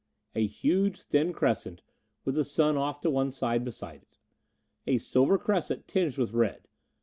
A huge, thin crescent, with the Sun off to one side behind it. A silver crescent, tinged with red.